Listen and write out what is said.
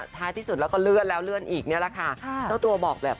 ในระยะยาวค่ะ